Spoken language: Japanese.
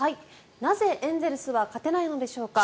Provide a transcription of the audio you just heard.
なぜエンゼルスは勝てないのでしょうか。